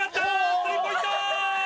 スリーポイント！